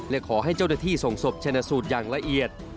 และขอให้เจ้าหน้าที่ส่งศพชนะสูตรอย่างละเอียด